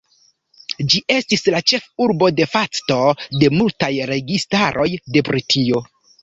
Ĝi estis la ĉefurbo "de facto" de multaj registaroj de Britio.